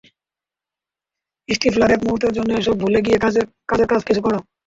Stifler, এক মুহূর্তের জন্য এসব ভুলে গিয়ে কাজের কাজ কিছু কর।